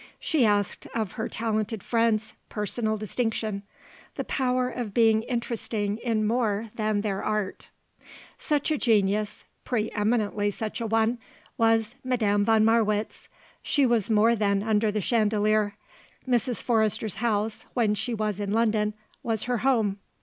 She asked of her talented friends personal distinction, the power of being interesting in more than their art. Such a genius, pre eminently such a one, was Madame von Marwitz. She was more than under the chandelier; Mrs. Forrester's house, when she was in London, was her home.